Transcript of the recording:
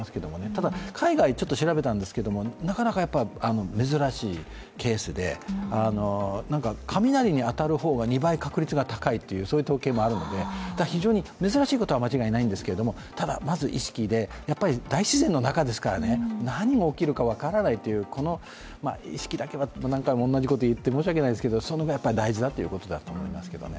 ただ、海外ではなかなか珍しいケースでなんか雷に当たる方が２倍確率が高いという統計もあるんで非常に珍しいことは間違いないんですけども、まず意識で、大自然の中ですから何が起きるか分からないという意識だけは何度も同じこと言って申し訳ないですが、それだけ大事だということですね。